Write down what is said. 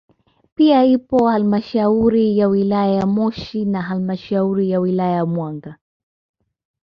Pia ipo halmashauri ya wilaya ya Moshi na halmashauri ya wilaya ya Mwanga